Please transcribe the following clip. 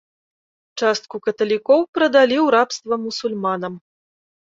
Частку каталікоў прадалі ў рабства мусульманам.